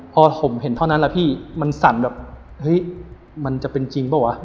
พอผมเห็นเท่านั้นแหละพี่มันสั่นแบบเฮ้ยมันจะเป็นจริงเปล่าวะ